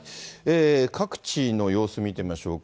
各地の様子見てみましょうか。